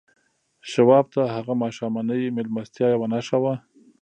شواب ته هغه ماښامنۍ مېلمستیا یوه نښه وه